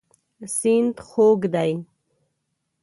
سیند خوږ دی.